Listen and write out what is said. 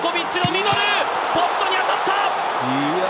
ポストに当たった。